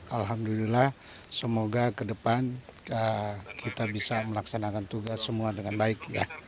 alhamdulillah semoga ke depan kita bisa melaksanakan tugas semua dengan baik